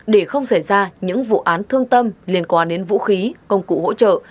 để không xảy ra những vụ án thương tâm liên quan đến vũ khí công cụ hỗ trợ